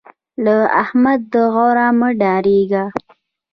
له احمد د غور مه ډارېږه.